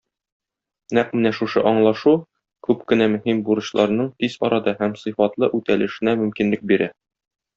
Нәкъ менә шушы аңлашу күп кенә мөһим бурычларның тиз арада һәм сыйфатлы үтәлешенә мөмкинлек бирә.